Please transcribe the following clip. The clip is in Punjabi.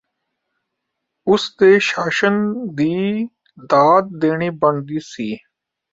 ਉਸ ਦੇ ਸ਼ਾਸਨ ਦੀ ਦਾਦ ਦੇਣੀ ਬਣਦੀ ਹੈ